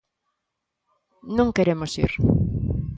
Non queremos ir.